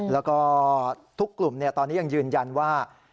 แล้วก็ทุกกลุ่มตอนนี้ยังยืนยันว่า